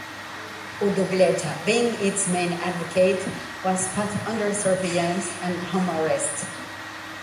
Odobleja, being its main advocate, was put under surveillance and home arrest.